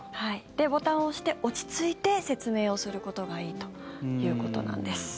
で、ボタンを押して落ち着いて説明をすることがいいということなんです。